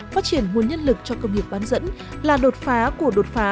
phát triển nguồn nhân lực cho công nghiệp bán dẫn là đột phá của đột phá